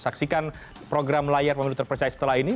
saksikan program layar pemilu terpercaya setelah ini